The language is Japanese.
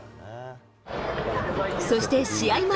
そして試合前。